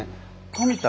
富田